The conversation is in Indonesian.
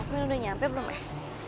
jasmine sudah sampai atau tidak